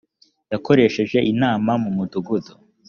yakoresheje inama mu mudugudu